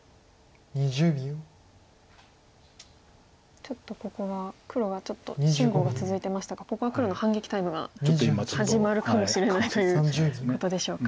ちょっとここは黒がちょっと辛抱が続いてましたがここは黒の反撃タイムが始まるかもしれないということでしょうか。